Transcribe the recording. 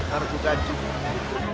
harus kita jubah